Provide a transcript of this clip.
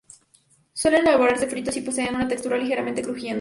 Suelen elaborarse fritos y poseen una textura ligeramente crujiente.